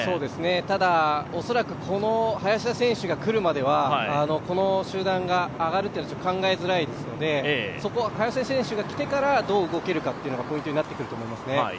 ただ、この林田選手が来るまではこの集団が上がるというのは考えづらいですので、そこは林田選手が来てからどう動けるかがポイントになりますね。